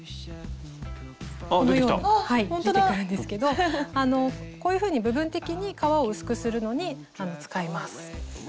このように出てくるんですけどこういうふうに部分的に革を薄くするのに使います。